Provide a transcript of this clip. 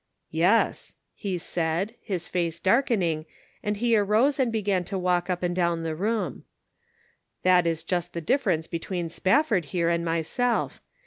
" Yes !" he said, his face darkening, and he arose and began to walk up and down the room; "that is just the difference between Spafford here and myself.